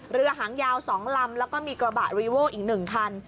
เรือหางยาว๒ลำแล้วก็มีกระบะรีโว้อีก๑คัน